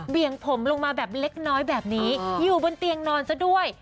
ี่ยงผมลงมาแบบเล็กน้อยแบบนี้อยู่บนเตียงนอนซะด้วย